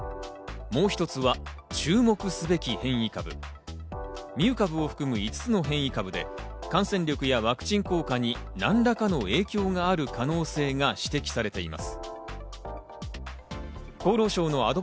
もう一つは注目すべき変異株、ミュー株を含む５つの変異株で感染力やワクチン効果に何らかの影響がある可能性が指摘されています。